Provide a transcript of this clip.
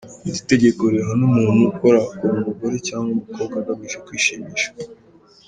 Iri tegeko rihana umuntu ukorakora umugore cyangwa umukobwa agamije kwishimisha.